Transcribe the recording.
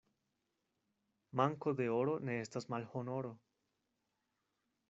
Manko de oro ne estas malhonoro.